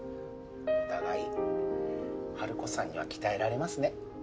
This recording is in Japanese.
お互いハルコさんには鍛えられますね。